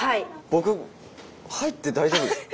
僕入って大丈夫なんですか？